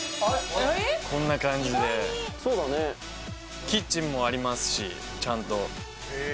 こんな感じで意外にそうだねキッチンもありますしちゃんとへえ